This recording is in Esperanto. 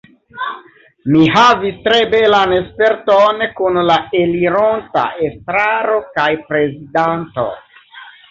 Mi havis tre belan sperton kun la elironta Estraro kaj Prezidanto.